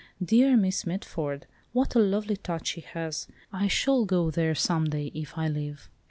Dear Miss Mitford! what a lovely touch she has! I shall go there some day if I live.